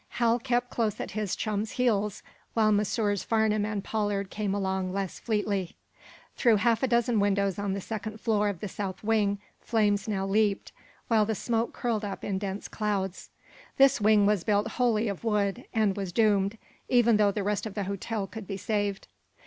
Hal kept close at his chum's heels while Messrs. Farnum and Pollard came along less fleetly. Through half a dozen windows on the second floor of the south wing flames now leaped, while the smoke curled up in dense clouds. This wing was built wholly of wood, and was doomed, even though the rest of the hotel could be saved.